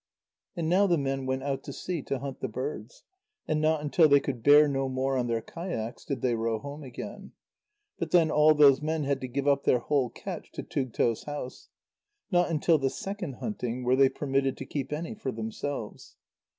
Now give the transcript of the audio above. And now the men went out to sea to hunt the birds. And not until they could bear no more on their kayaks did they row home again. But then all those men had to give up their whole catch to Tugto's house. Not until the second hunting were they permitted to keep any for themselves.